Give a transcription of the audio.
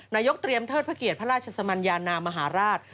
นายกเตรียมเทิดพระเกียรติพระราชสมัญญานามหาราช